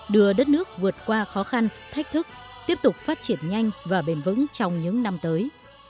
đưa đất nước vượt qua khó khăn thách thức tiếp tục phát triển nhanh và bền vững trong những năm tới